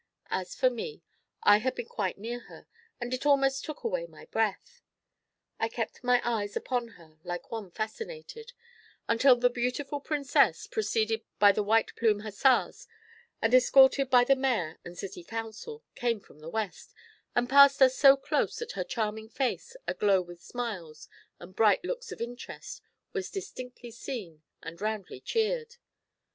As for me, I had been quite near her, and it almost took away my breath. I kept my eyes upon her like one fascinated, until the beautiful princess, preceded by the white plumed hussars and escorted by the mayor and city council, came from the west, and passed us so close that her charming face, aglow with smiles and bright looks of interest, was distinctly seen and roundly cheered.